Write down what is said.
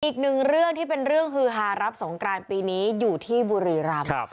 อีกนึงโรย่คลิกที่เป็นเรื่องคือฮารับสงกรารปีนี้๒๐๑๔อยู่ที่บุรีรัมย์